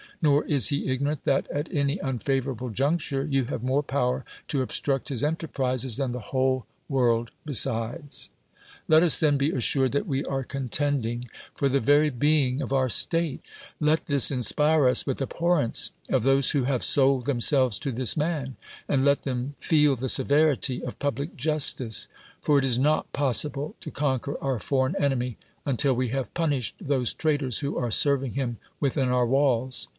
Xor is he i^srnorant that, at any unfavorable juncture, you have more ])ower to obstruct his (uiterprises than the whole world besides. Let us then be assured that we are cont(MulinG^ for the vpj y lieinfr of our state; let this iiispii e us with abhorrence of those who liave sold tin ui selves to this man, and let them feel the severity of public justice; for it is not ]')Ossi])le to eoii (jiieT our foreiu'u enemy until we liave puiiishi d those traitors who are servin,<j: h'uu witiiiii our walls.